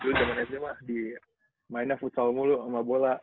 dulu zaman sd mah dimainnya futsal mulu sama bola